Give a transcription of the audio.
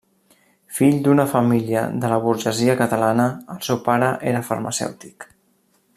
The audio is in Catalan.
Fill d'una família de la burgesia catalana, el seu pare era farmacèutic.